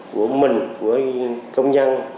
của mình của công nhân